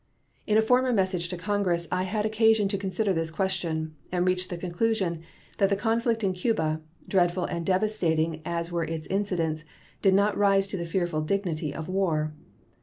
In a former message to Congress I had occasion to consider this question, and reached the conclusion that the conflict in Cuba, dreadful and devastating as were its incidents, did not rise to the fearful dignity of war.